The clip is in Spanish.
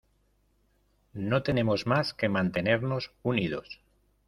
No tenemos más que mantenernos unidos.